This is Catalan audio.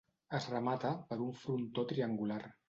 Es remata per un frontó triangular.